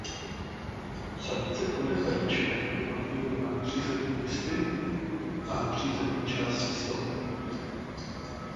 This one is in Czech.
Samice klade vajíčka jednotlivě na přízemní listy a přízemní části stonků.